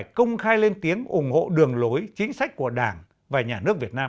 và thì họ rồi lại công khai lên tiếng ủng hộ đường lối chính sách của đảng và nhà nước việt nam